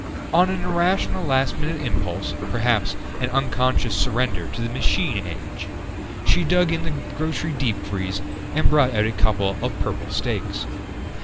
On an irrational last minute impulse perhaps an unconscious surrender to the machine age she dug in the grocery deep freeze and brought out a couple of purple steaks.